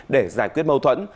để giải quyết mâu thuẫn